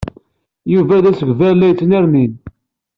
Yuba d asegbar la yettnernin.